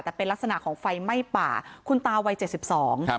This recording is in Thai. แต่เป็นลักษณะของไฟไหม้ป่าคุณตาวัยเจ็ดสิบสองครับ